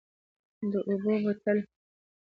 د اوبو بوتل،